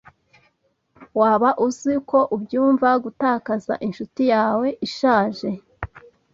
Waba uzi uko byumva gutakaza inshuti yawe ishaje?